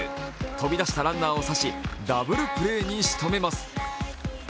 飛び出したランナーを刺し、ダブルプレーにしとめます。